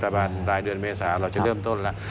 ประมาณปลายเดือนเมษาเราจะเริ่มต้นแล้ว